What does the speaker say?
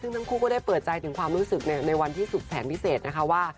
ซึ่งทั้งคู่ก็ได้เปิดใจถึงความรู้สึกในวันที่สุดแสนพิเศษนะคะว่า